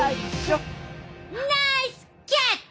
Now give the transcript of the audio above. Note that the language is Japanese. ナイスキャッチ！